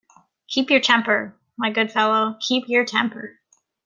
Keep your temper, my good fellow, keep your temper!